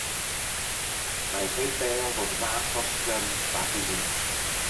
Mae eisiau i'r bêl ddod mas o'r sgrym bach yn gynt.